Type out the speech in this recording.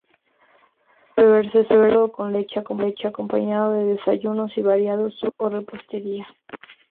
Puede beberse solo o con leche, acompañando desayunos y variados dulces o repostería.